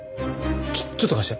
ちょっと貸して。